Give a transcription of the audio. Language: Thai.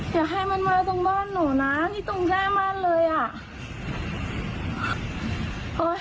อยากให้มันมาตรงบ้านหนูนะที่ตรงหน้าบ้านเลยอ่ะ